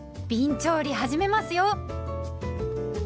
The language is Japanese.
びん調理始めますよ。